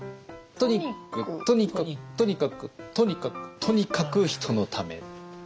トニックとにっかとにかく「とにかく人のため」。